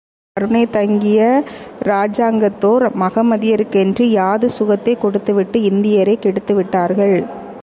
கருணை தங்கிய இராஜாங்கத்தோர் மகமதியருக்கென்று யாது சுகத்தைக் கொடுத்துவிட்டு இந்தியரைக் கெடுத்துவிட்டார்கள்.